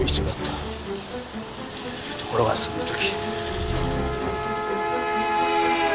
ところがその時。